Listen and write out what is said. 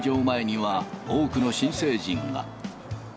前には多くの新成人が。